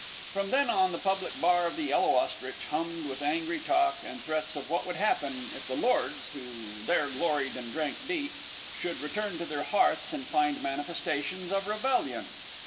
From then on, the public bar of The Yellow Ostrich hummed with angry talk and threats of what would happen if the lords, who there gloried and drank deep, should return to their hearths and find manifestations of rebellion.